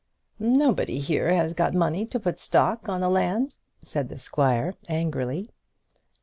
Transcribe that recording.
"Nobody here has got money to put stock on the land," said the squire, angrily.